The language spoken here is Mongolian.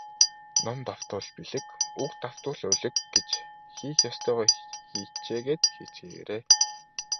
Ном давтвал билиг, үг давтвал улиг гэж хийх ёстойгоо хичээгээд хийцгээгээрэй.